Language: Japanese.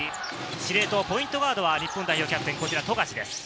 司令塔、ポイントガードは日本代表キャプテン・富樫です。